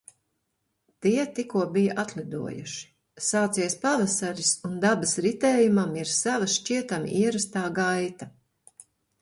Tie tikko bija atlidojuši. Sācies pavasaris, un dabas ritējumam ir sava šķietami ierastā gaita.